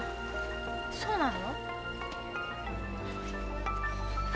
そうなの？